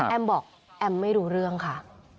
แอมป์บอกแอมป์ไม่รู้เรื่องค่ะ